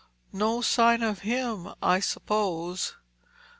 "No sign of him, I suppose?"